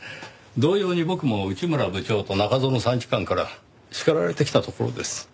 同様に僕も内村部長と中園参事官から叱られてきたところです。